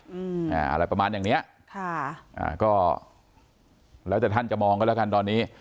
อืมอ่าอะไรประมาณอย่างเนี้ยค่ะอ่าก็แล้วแต่ท่านจะมองกันแล้วกันตอนนี้